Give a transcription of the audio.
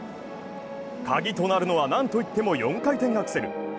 鍵となるのはなんといっても４回転アクセル。